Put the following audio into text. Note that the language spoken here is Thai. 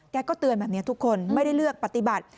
ก็เตือนแบบนี้ทุกคนไม่ได้เลือกปฏิบัติ